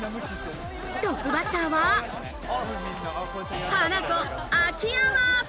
トップバッターは、ハナコ・秋山。